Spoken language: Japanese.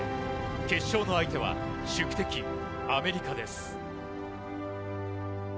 決勝の相手は宿敵、アメリカです。